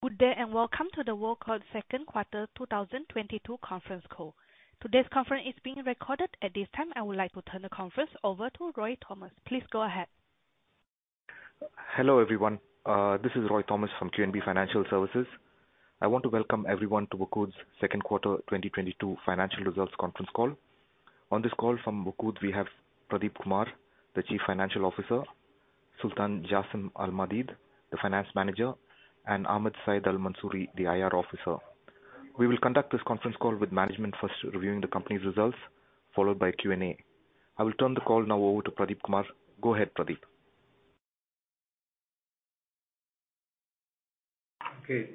Good day and welcome to the WOQOD second quarter 2022 conference call. Today's conference is being recorded. At this time, I would like to turn the conference over to Roy Thomas. Please go ahead. Hello, everyone. This is Roy Thomas from QNB Financial Services. I want to welcome everyone to WOQOD's second quarter 2022 financial results conference call. On this call from WOQOD, we have Pradeep Kumar, the Chief Financial Officer, Sultan Jassim Al-Maadeed, the Finance Manager, and Ahmed Saeed Al-Mansouri, the IR Officer. We will conduct this conference call with management first reviewing the company's results, followed by Q&A. I will turn the call now over to Pradeep Kumar. Go ahead, Pradeep. Okay.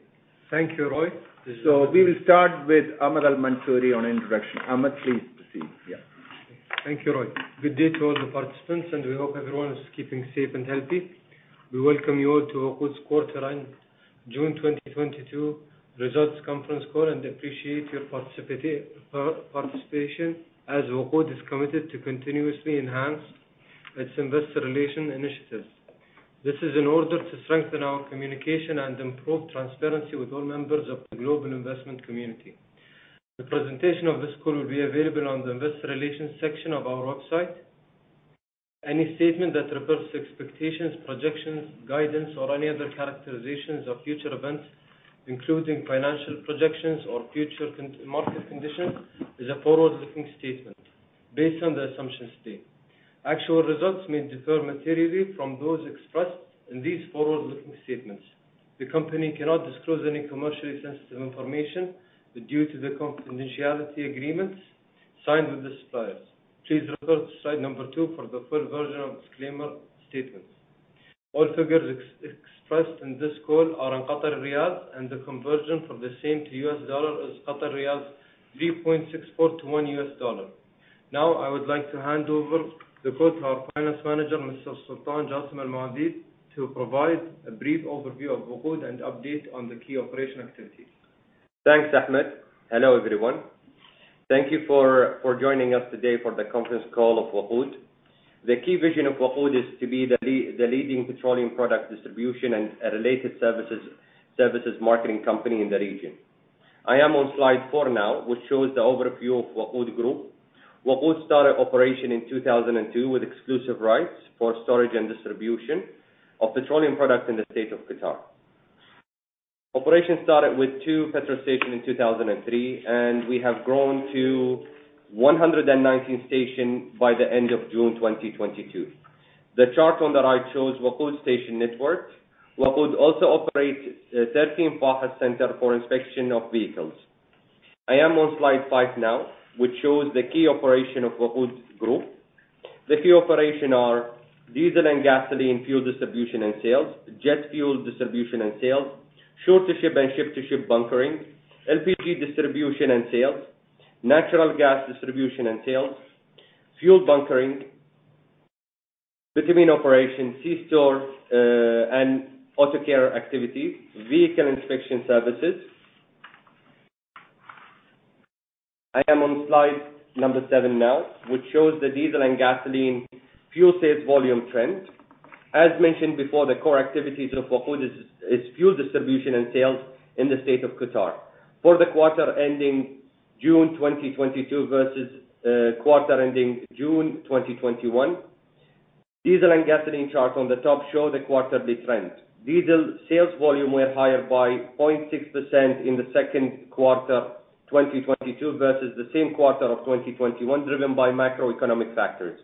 Thank you, Roy. We will start with Ahmed Saeed Al-Mansouri on introduction. Ahmed, please proceed. Yeah. Thank you, Roy. Good day to all the participants, and we hope everyone is keeping safe and healthy. We welcome you all to WOQOD's quarter-end June 2022 results conference call and appreciate your participation as WOQOD is committed to continuously enhance its investor relation initiatives. This is in order to strengthen our communication and improve transparency with all members of the global investment community. The presentation of this call will be available on the Investor Relations section of our website. Any statement that refers to expectations, projections, guidance, or any other characterizations of future events, including financial projections or future market conditions, is a forward-looking statement based on the assumptions stated. Actual results may differ materially from those expressed in these forward-looking statements. The company cannot disclose any commercially sensitive information due to the confidentiality agreements signed with the suppliers. Please refer to slide number two for the full version of disclaimer statements. All figures expressed in this call are in QAR, and the conversion for the same to US dollar is 3.64 to one US dollar. I would like to hand over the call to our Finance Manager, Mr. Sultan Jassim Al-Maadeed, to provide a brief overview of WOQOD and update on the key operational activities. Thanks, Ahmed. Hello, everyone. Thank you for joining us today for the conference call of WOQOD. The key vision of WOQOD is to be the leading petroleum product distribution and related services marketing company in the region. I am on slide four now, which shows the overview of WOQOD Group. WOQOD started operation in 2002 with exclusive rights for storage and distribution of petroleum products in the State of Qatar. Operation started with two petrol stations in 2003, and we have grown to 119 stations by the end of June 2022. The chart on the right shows WOQOD station network. WOQOD also operate 13 FAHES centers for inspection of vehicles. I am on slide five now, which shows the key operation of WOQOD Group. The key operation are diesel and gasoline fuel distribution and sales, jet fuel distribution and sales, shore-to-ship and ship-to-ship bunkering, LPG distribution and sales, natural gas distribution and sales, fuel bunkering, bitumen operation, C-store, and auto care activities, vehicle inspection services. I am on slide number seven now, which shows the diesel and gasoline fuel sales volume trend. As mentioned before, the core activities of WOQOD is fuel distribution and sales in the State of Qatar. For the quarter ending June 2022 versus quarter ending June 2021, diesel and gasoline chart on the top show the quarterly trend. Diesel sales volume were higher by 0.6% in the second quarter 2022 versus the same quarter of 2021, driven by macroeconomic factors.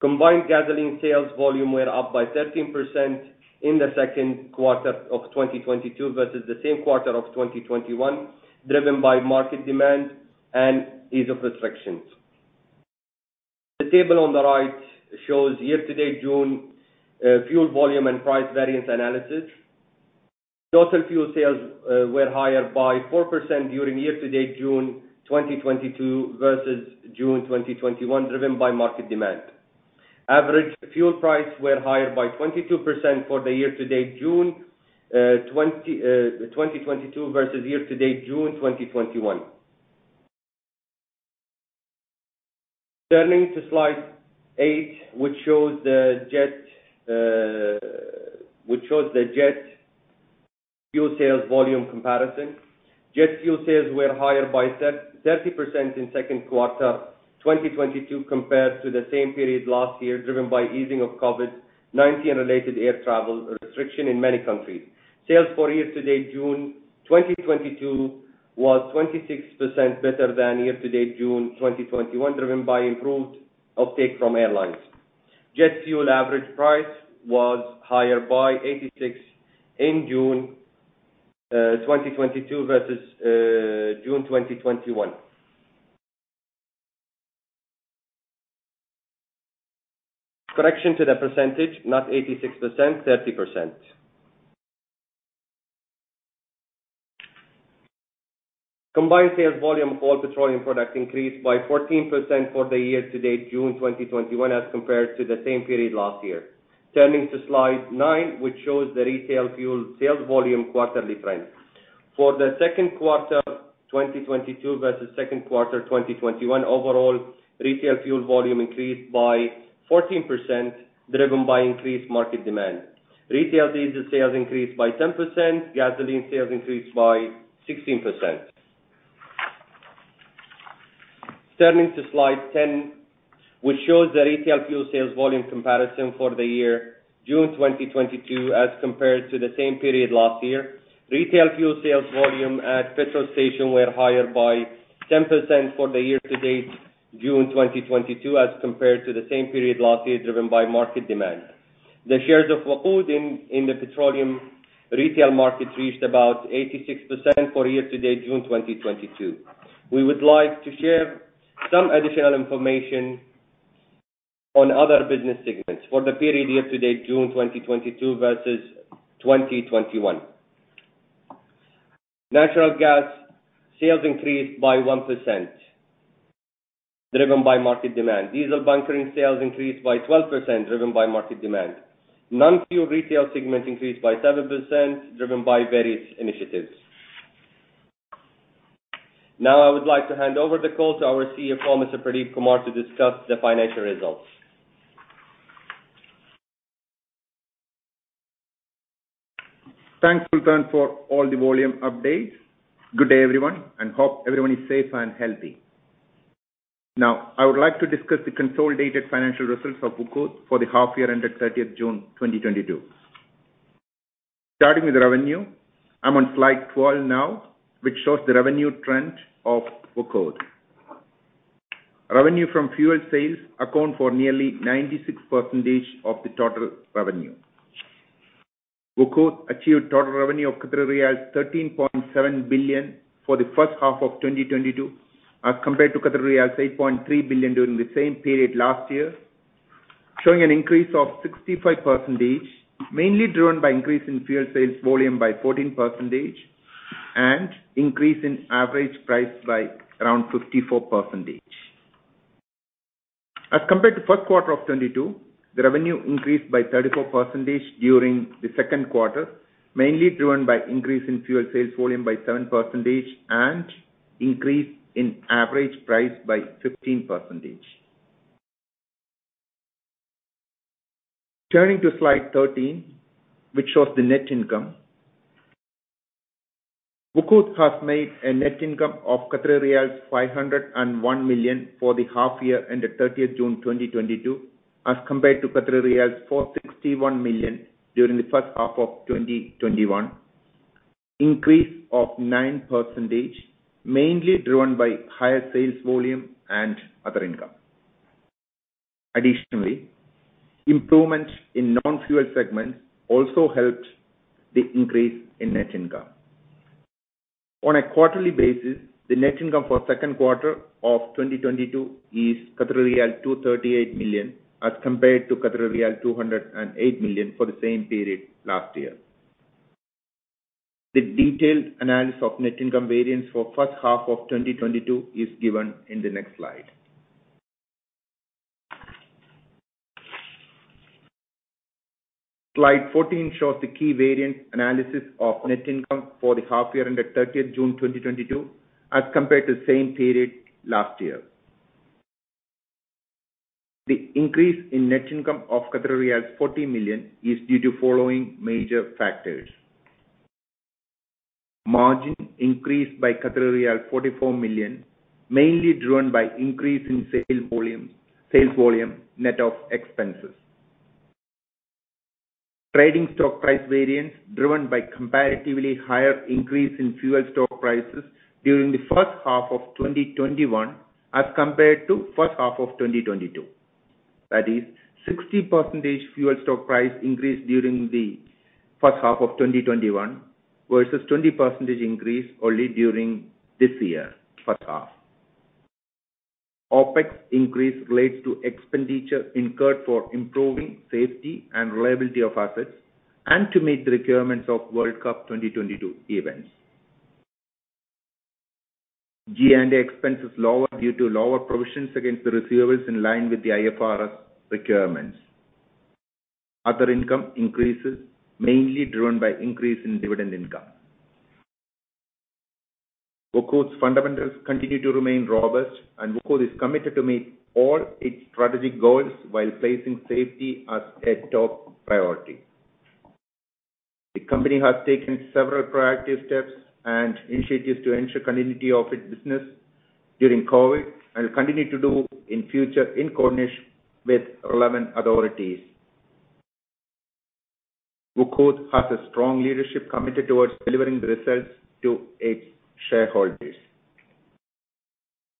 Combined gasoline sales volume were up by 13% in the second quarter of 2022 versus the same quarter of 2021, driven by market demand and ease of restrictions. The table on the right shows year-to-date June fuel volume and price variance analysis. Total fuel sales were higher by 4% during year-to-date June 2022 versus June 2021, driven by market demand. Average fuel price were higher by 22% for the year-to-date June 2022 versus year-to-date June 2021. Turning to slide eight, which shows the jet fuel sales volume comparison. Jet fuel sales were higher by 30% in second quarter 2022 compared to the same period last year, driven by easing of COVID-19 related air travel restriction in many countries. Sales for year-to-date June 2022 was 26% better than year-to-date June 2021, driven by improved uptake from airlines. Jet fuel average price was higher by 86 in June 2022 versus June 2021. Correction to the percentage, not 86%, 30%. Combined sales volume of all petroleum products increased by 14% for the year-to-date June 2021 as compared to the same period last year. Turning to slide nine, which shows the retail fuel sales volume quarterly trend. For the second quarter of 2022 versus second quarter 2021 overall retail fuel volume increased by 14% driven by increased market demand. Retail diesel sales increased by 10%, gasoline sales increased by 16%. Turning to slide 10, which shows the retail fuel sales volume comparison for the year June 2022 as compared to the same period last year. Retail fuel sales volume at petrol station were higher by 10% for the year-to-date June 2022 as compared to the same period last year driven by market demand. The shares of WOQOD in the petroleum retail market reached about 86% for year-to-date June 2022. We would like to share some additional information on other business segments for the period year-to-date June 2022 versus 2021. Natural gas sales increased by 1% driven by market demand. Diesel bunkering sales increased by 12% driven by market demand. Non-fuel retail segment increased by 7% driven by various initiatives. Now I would like to hand over the call to our CFO, Mr. Pradeep Kumar, to discuss the financial results. Thanks, Sultan, for all the volume updates. Good day, everyone, and hope everyone is safe and healthy. Now I would like to discuss the consolidated financial results of WOQOD for the half year ended 30th June 2022. Starting with revenue, I'm on slide 12 now, which shows the revenue trend of WOQOD. Revenue from fuel sales account for nearly 96% of the total revenue. WOQOD achieved total revenue of riyals 13.7 billion for the first half of 2022 as compared to riyals 8.3 billion during the same period last year, showing an increase of 65%, mainly driven by increase in fuel sales volume by 14% and increase in average price by around 54%. As compared to first quarter of 2022, the revenue increased by 34% during the second quarter, mainly driven by increase in fuel sales volume by 7% and increase in average price by 15%. Turning to slide 13, which shows the net income. WOQOD has made a net income of riyals 501 million for the half year ended 30th June 2022, as compared to riyals 461 million during the first half of 2021. Increase of 9% mainly driven by higher sales volume and other income. Additionally, improvements in non-fuel segments also helped the increase in net income. On a quarterly basis, the net income for second quarter of 2022 is 238 million as compared to 208 million for the same period last year. The detailed analysis of net income variance for first half of 2022 is given in the next slide. Slide 14 shows the key variance analysis of net income for the half year ended 30th June 2022 as compared to same period last year. The increase in net income of 40 million is due to following major factors. Margin increased by 44 million, mainly driven by increase in sale volume, sale volume net of expenses. Trading stock price variance driven by comparatively higher increase in fuel stock prices during the first half of 2021 as compared to first half of 2022. That is 60% fuel stock price increase during the first half of 2021 versus 20% increase only during this year, first half. OpEx increase relates to expenditure incurred for improving safety and reliability of assets and to meet the requirements of World Cup 2022 events. G&A expenses lower due to lower provisions against the receivables in line with the IFRS requirements. Other income increases mainly driven by increase in dividend income. WOQOD's fundamentals continue to remain robust and WOQOD is committed to meet all its strategic goals while placing safety as a top priority. The company has taken several proactive steps and initiatives to ensure continuity of its business during COVID and will continue to do in future in coordination with relevant authorities. WOQOD has a strong leadership committed towards delivering the results to its shareholders.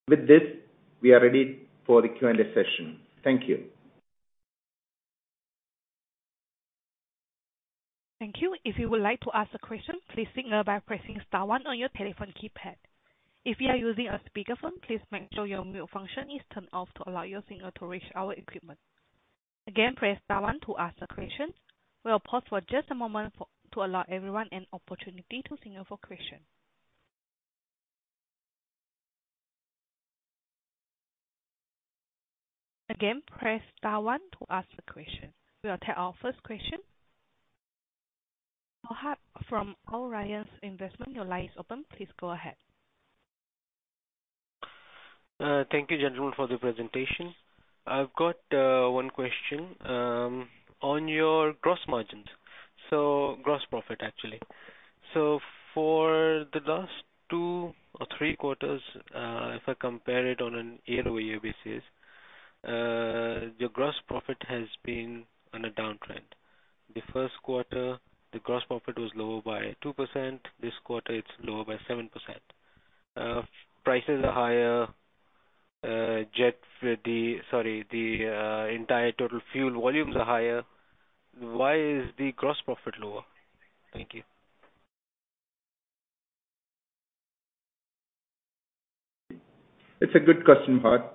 With this, we are ready for the Q&A session. Thank you. Thank you. If you would like to ask a question, please signal by pressing star one on your telephone keypad. If you are using a speakerphone, please make sure your mute function is turned off to allow your signal to reach our equipment. Again, press star one to ask a question. We'll pause for just a moment to allow everyone an opportunity to signal for question. Again, press star one to ask a question. We'll take our first question. Moha from Al Rayan Investment. Your line is open. Please go ahead. Thank you gentlemen for the presentation. I've got one question on your gross margins. Gross profit, actually. For the last two or three quarters, if I compare it on a year-over-year basis, your gross profit has been on a downtrend. The first quarter, the gross profit was lower by 2%. This quarter, it's lower by 7%. Prices are higher. The entire total fuel volumes are higher. Why is the gross profit lower? Thank you. It's a good question, Moha.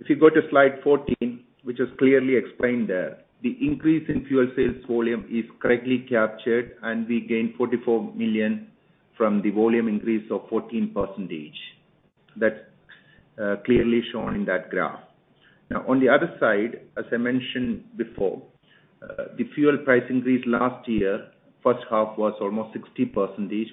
If you go to slide 14, which is clearly explained there, the increase in fuel sales volume is correctly captured, and we gained 44 million from the volume increase of 14%. That's clearly shown in that graph. Now, on the other side, as I mentioned before, the fuel price increase last year first half was almost 60%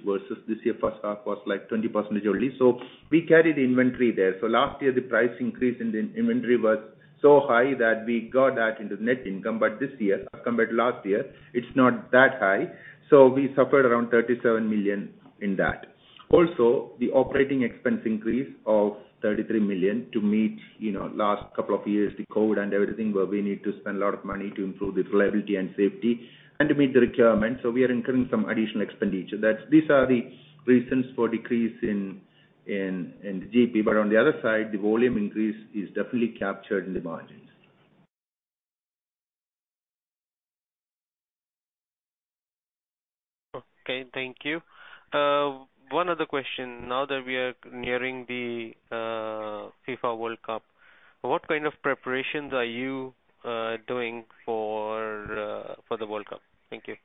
versus this year first half was like 20% only. So we carried inventory there. So last year the price increase in the inventory was so high that we got that into net income. But this year compared to last year, it's not that high. So we suffered around 37 million in that. Also, the operating expense increase of 33 million to meet, you know, last couple of years, the COVID and everything, where we need to spend a lot of money to improve the reliability and safety and to meet the requirements. We are incurring some additional expenditure. These are the reasons for decrease in the GP. On the other side, the volume increase is definitely captured in the margins. Okay, thank you. One other question. Now that we are nearing the FIFA World Cup, what kind of preparations are you doing for the World Cup? Thank you.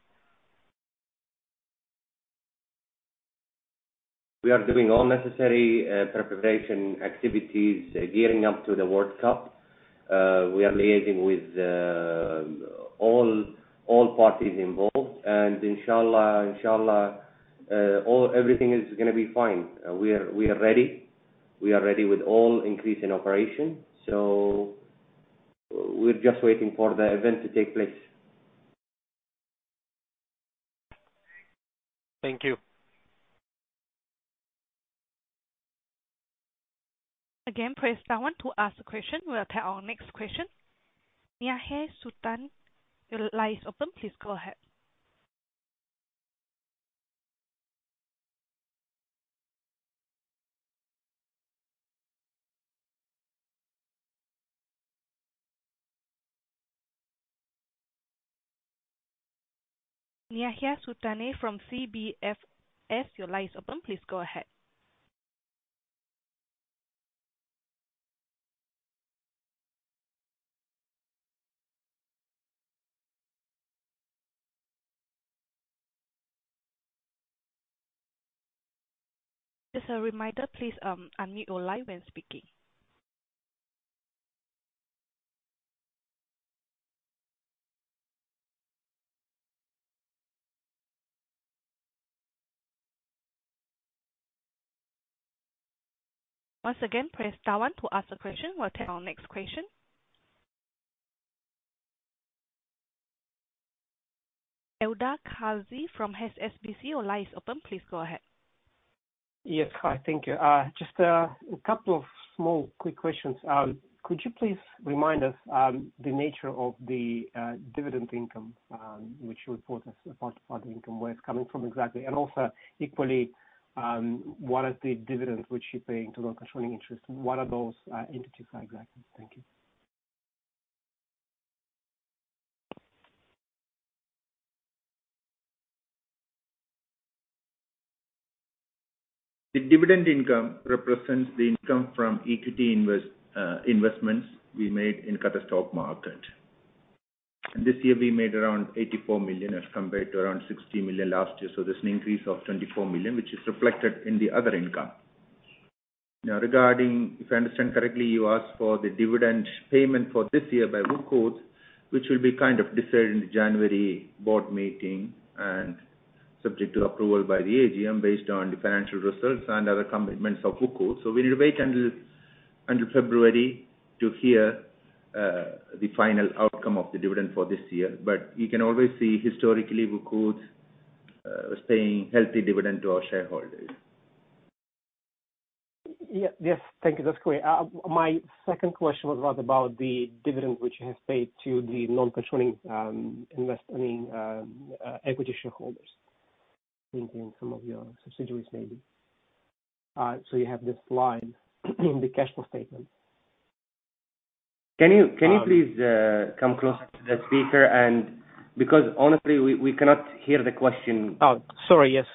We are doing all necessary preparation activities gearing up to the World Cup. We are liaising with all parties involved. Inshallah, all everything is gonna be fine. We are ready. We are ready with all increase in operation. We're just waiting for the event to take place. Thank you. Again, press star one to ask a question. We'll take our next question. Nikhil Phutane, your line is open. Please go ahead. Nikhil Phutane from CBFS, your line is open. Please go ahead. Just a reminder, please, unmute your line when speaking. Once again, press star one to ask a question. We'll take our next question. Ildar Khaziev from HSBC, your line is open. Please go ahead. Yes. Hi. Thank you. Just a couple of small quick questions. Could you please remind us the nature of the dividend income which you report as part of the income, where it's coming from exactly. Also equally, what is the dividend which you pay into non-controlling interest? What are those entities like exactly? Thank you. The dividend income represents the income from equity investments we made in Qatar Stock Market. This year we made around 84 million as compared to around 60 million last year. There's an increase of 24 million, which is reflected in the other income. Now, regarding, if I understand correctly, you asked for the dividend payment for this year by WOQOD, which will be kind of decided in the January board meeting and subject to approval by the AGM based on the financial results and other commitments of WOQOD. We need to wait until February to hear the final outcome of the dividend for this year. You can always see historically WOQOD paying healthy dividend to our shareholders. Yeah. Yes. Thank you. That's clear. My second question was about the dividend which you have paid to the non-controlling, I mean, equity shareholders. I think in some of your subsidiaries maybe. You have this line in the cash flow statement. Can you please come closer to the speaker? Because honestly, we cannot hear the question. Oh, sorry. Yes.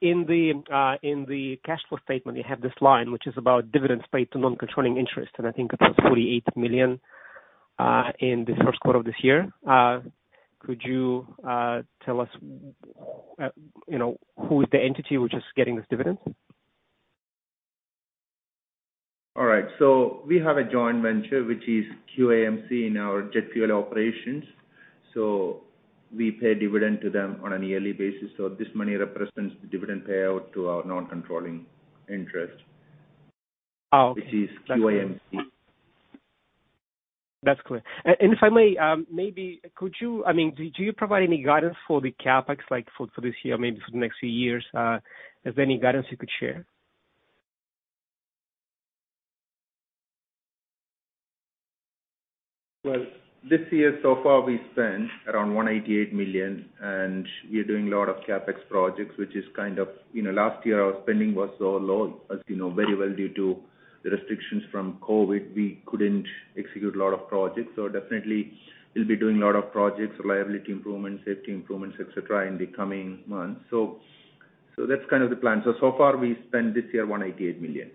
In the cash flow statement you have this line which is about dividends paid to non-controlling interest, and I think about 48 million in the first quarter of this year. Could you tell us, you know, who is the entity which is getting this dividend? All right. We have a joint venture, which is QJET, in our jet fuel operations. This money represents the dividend payout to our non-controlling interest. Oh, okay. Which is QJET. That's clear. If I may, maybe could you, I mean, do you provide any guidance for the CapEx, like, for this year or maybe for the next few years? Is there any guidance you could share? Well, this year, so far we've spent around 188 million, and we are doing a lot of CapEx projects, which is kind of. You know, last year our spending was so low. As you know very well due to the restrictions from COVID, we couldn't execute a lot of projects. Definitely we'll be doing a lot of projects, reliability improvements, safety improvements, et cetera, in the coming months. That's kind of the plan. So far we spent this year 188 million.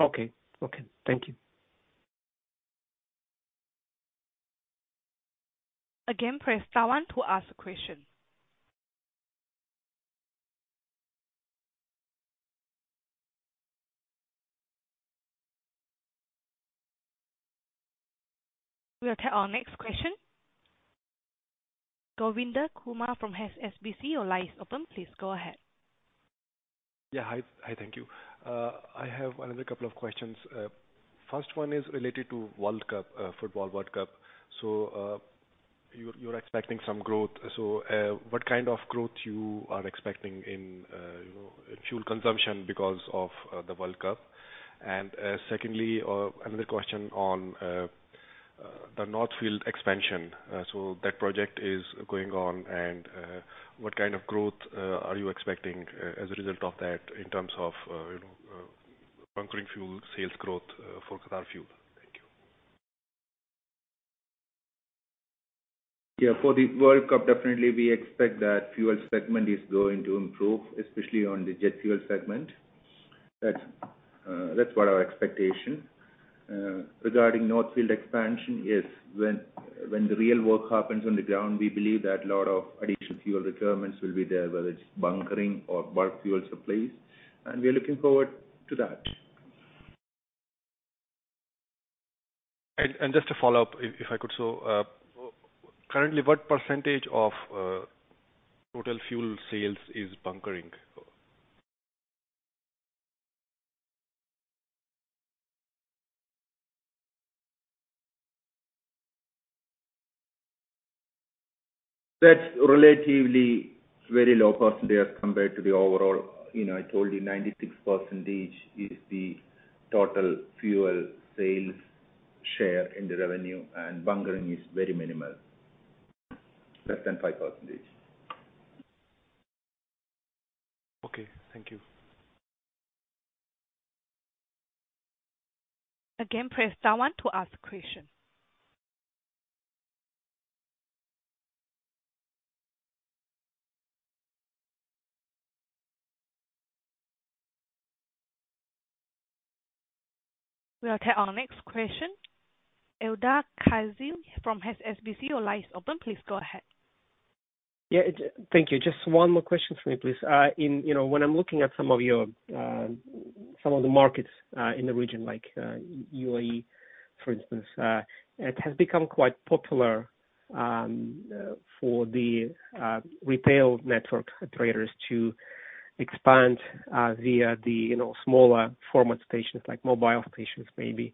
Okay, thank you. Again, press star one to ask a question. We'll take our next question. Govinda Kumar from HSBC, your line is open. Please go ahead. Yeah. Hi. Hi, thank you. I have another couple of questions. First one is related to World Cup, football World Cup. You're expecting some growth, so what kind of growth you are expecting in, you know, fuel consumption because of the World Cup? Secondly or another question on the North Field Expansion. That project is going on, and what kind of growth are you expecting as a result of that in terms of, you know, bunkering fuel sales growth for Qatar Fuel? Thank you. Yeah. For the World Cup, definitely we expect that fuel segment is going to improve, especially on the jet fuel segment. That's what our expectation. Regarding North Field Expansion, yes, when the real work happens on the ground, we believe that a lot of additional fuel requirements will be there, whether it's bunkering or bulk fuel supplies, and we are looking forward to that. Just to follow up if I could. Currently, what percentage of total fuel sales is bunkering? That's relatively very low percentage compared to the overall. You know, I told you 96% is the total fuel sales share in the revenue, and bunkering is very minimal. Less than 5%. Okay, thank you. Again, press star one to ask a question. We'll take our next question. Eldar Khazi from HSBC, your line is open. Please go ahead. Yeah. Thank you. Just one more question for me, please. In, you know, when I'm looking at some of your some of the markets in the region like UAE, for instance, it has become quite popular for the retail network traders to expand via the, you know, smaller format stations like mobile stations maybe.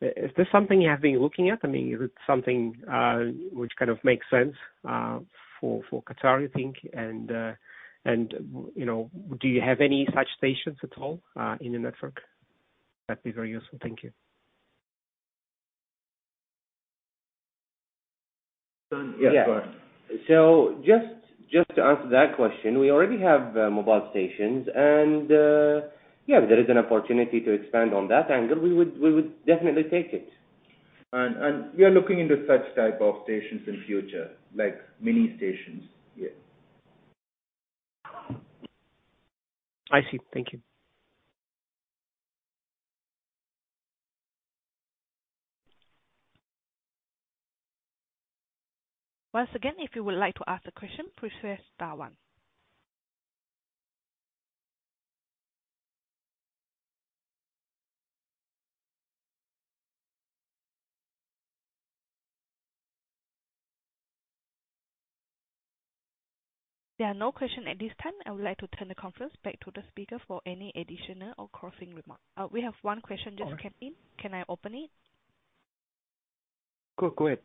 Is this something you have been looking at? I mean, is it something which kind of makes sense for Qatar you think? You know, do you have any such stations at all in your network? That'd be very useful. Thank you. Yeah. Go ahead. Just to answer that question, we already have mobile stations and, yeah, there is an opportunity to expand on that angle. We would definitely take it. We are looking into such type of stations in future like mini stations. Yeah. I see. Thank you. Once again, if you would like to ask a question, please press star one. There are no question at this time. I would like to turn the conference back to the speaker for any additional or closing remark. We have one question just came in. Can I open it? Go ahead.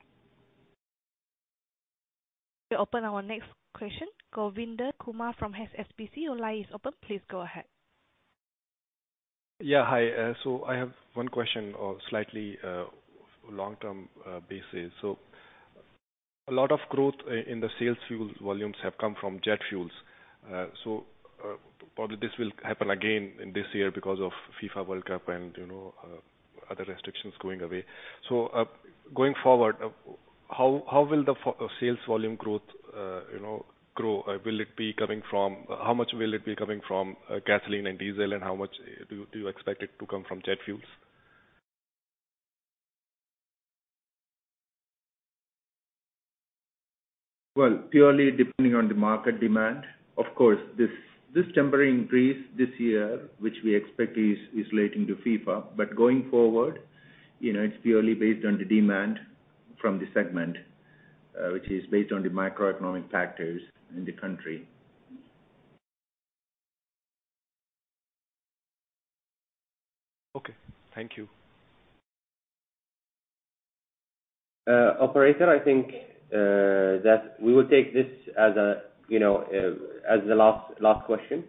We open our next question. Govinda Kumar from HSBC, your line is open. Please go ahead. Yeah. Hi. I have one question on a slightly long-term basis. A lot of growth in the sales fuel volumes have come from jet fuels. Probably this will happen again in this year because of FIFA World Cup and, you know, other restrictions going away. Going forward, how will the sales volume growth, you know, grow? Will it be coming from gasoline and diesel? How much will it be coming from gasoline and diesel, and how much do you expect it to come from jet fuels? Well, purely depending on the market demand. Of course, this temporary increase this year, which we expect is relating to FIFA. Going forward, you know, it's purely based on the demand from the segment, which is based on the macroeconomic factors in the country. Okay. Thank you. Operator, I think that we will take this as a, you know, as the last question.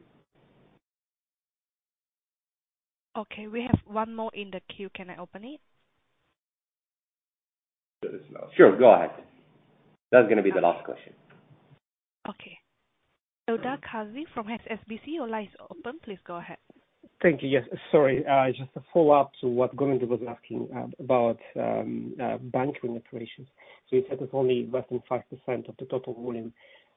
Okay. We have one more in the queue. Can I open it? Sure, go ahead. That's gonna be the last question. Okay. Eldar Khazi from HSBC, your line is open. Please go ahead. Thank you. Yes. Sorry, just a follow-up to what Govinda was asking, about bunkering operations. You said it's only less than 5% of the total volume.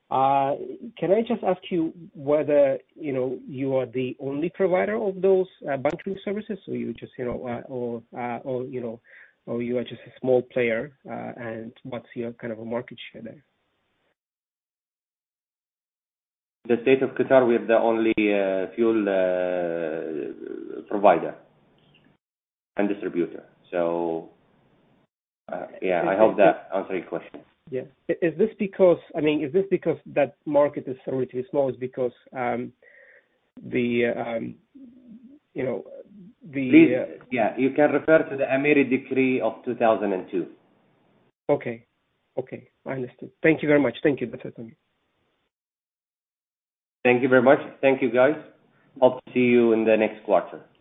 Can I just ask you whether, you know, you are the only provider of those, bunkering services or you just, you know, or you are just a small player, and what's your kind of a market share there? The State of Qatar, we are the only fuel provider and distributor. Yeah, I hope that answered your question. Yeah. I mean, is this because that market is relatively small? Is it because you know, the Yeah, you can refer to the Emiri decree of 2002. Okay, I understood. Thank you very much. Thank you, Pradeep Kumar. Thank you very much. Thank you, guys. I'll see you in the next quarter.